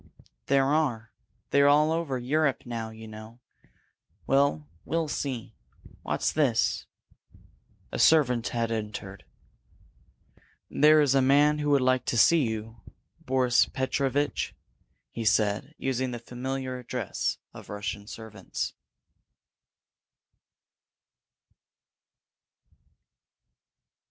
"There are. They're all over Europe now, you know. Well, we'll see. What's this?" A servant had entered. "There is a man who would see you, Boris Petrovitch," he said, using the familiar address of Russian servants.